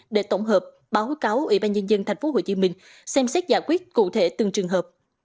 để tổng hợp báo cáo ubnd tp hcm xem xét giải quyết cụ thể từng trường hợp